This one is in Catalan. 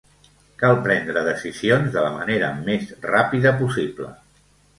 Cal prendre decisions de la manera més ràpida possible.